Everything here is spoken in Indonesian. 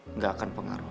enggak akan pengaruh